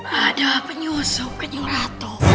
hadap penyusup kanjeng ratu